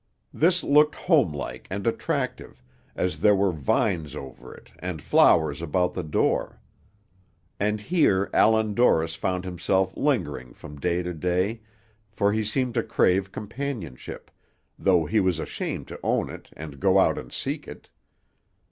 This looked home like and attractive, as there were vines over it and flowers about the door; and here Allan Dorris found himself lingering from day to day, for he seemed to crave companionship, though he was ashamed to own it and go out and seek it.